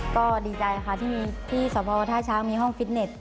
ก็ดีใจค่ะที่มีที่สภท่าช้างมีห้องฟิตเน็ต